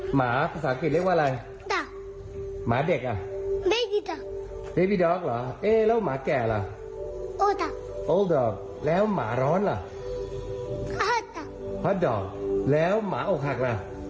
หมาภาษาอังกฤษเรียกว่าอะไรหมาเด็กอ่ะแล้วหมาแก่ล่ะแล้วหมาร้อนล่ะแล้วหมาอกหักล่ะ